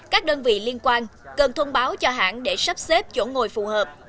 các đơn vị liên quan cần thông báo cho hãng để sắp xếp chỗ ngồi phù hợp